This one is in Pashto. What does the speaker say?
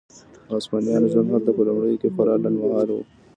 د هسپانویانو ژوند هلته په لومړیو کې خورا لنډ مهاله و.